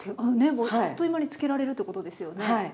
あっという間に漬けられるってことですよね。